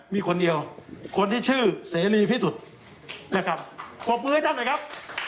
มีคนเดียวคนที่ชื่อเสรีพิทธิสุดนะครับแตกมือให้ด้านหนึ่งหน่อยครับ